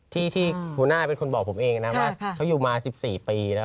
ที่หัวหน้าเป็นคนบอกผมเองนะว่าเขาอยู่มา๑๔ปีแล้ว